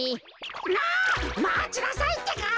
あ！まちなさいってか。